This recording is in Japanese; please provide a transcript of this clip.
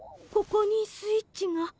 ここにスイッチが。